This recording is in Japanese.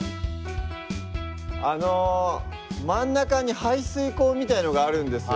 あの真ん中に排水溝みたいのがあるんですよ。